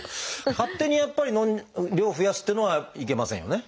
勝手にやっぱり量を増やすっていうのはいけませんよね？